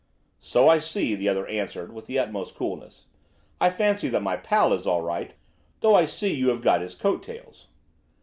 "So I see," the other answered with the utmost coolness. "I fancy that my pal is all right, though I see you have got his coat tails."